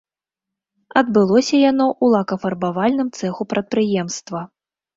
Адбылося яно ў лакафарбавальным цэху прадпрыемства.